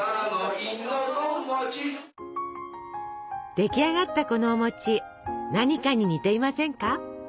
出来上がったこのお何かに似ていませんか？